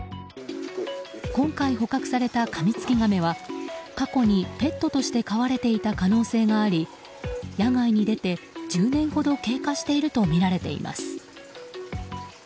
今回捕獲されたカミツキガメは過去にペットとして飼われていた可能性があり野外に出て１０年ほど経過しているとみられています。